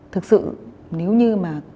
thực sự nếu như mà